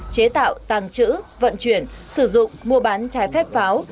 chế tạo tàng trữ vận chuyển sử dụng mua bán trái phép pháo